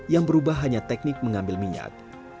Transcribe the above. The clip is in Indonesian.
yang berubah hanya teknik mengambil minyak